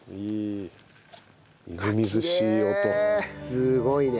すごいね。